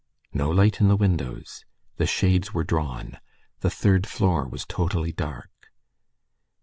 No light in the windows; the shades were drawn; the third floor was totally dark.